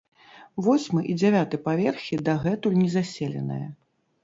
Восьмы і дзевяты паверхі дагэтуль незаселеныя.